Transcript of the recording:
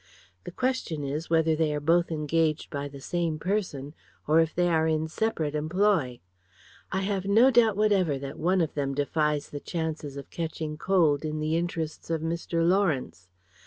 The question is, whether they are both engaged by the same person, or if they are in separate employ. I have no doubt whatever that one of them defies the chances of catching cold in the interests of Mr. Lawrence.